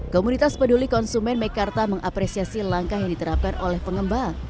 komunitas peduli konsumen mekarta mengapresiasi langkah yang diterapkan oleh pengembang